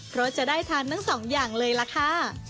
เพราะจะได้ทานทั้งสองอย่างเลยล่ะค่ะ